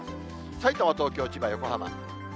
さいたま、東京、千葉、横浜。